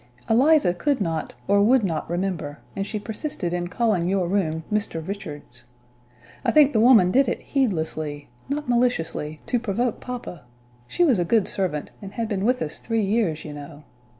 Eliza could not, or would not remember, and she persisted in calling your room 'Mr. Richard's.' I think the woman did it heedlessly, not maliciously, to provoke papa; she was a good servant, and had been with us three years you know.